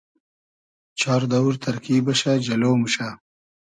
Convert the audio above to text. چار دئوور تئرکی بئشۂ جئلۉ موشۂ